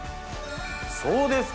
そうですか。